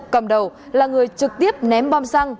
cầm đầu là người trực tiếp ném bom xăng